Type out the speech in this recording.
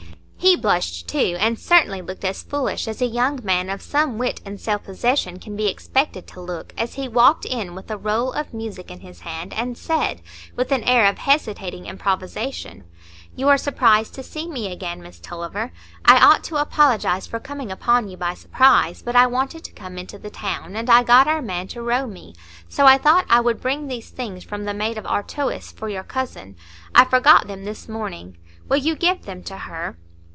He blushed too, and certainly looked as foolish as a young man of some wit and self possession can be expected to look, as he walked in with a roll of music in his hand, and said, with an air of hesitating improvisation,— "You are surprised to see me again, Miss Tulliver; I ought to apologise for coming upon you by surprise, but I wanted to come into the town, and I got our man to row me; so I thought I would bring these things from the 'Maid of Artois' for your cousin; I forgot them this morning. Will you give them to her?"